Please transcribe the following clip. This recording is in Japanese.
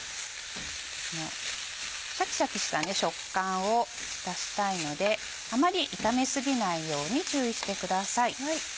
シャキシャキした食感を出したいのであまり炒め過ぎないように注意してください。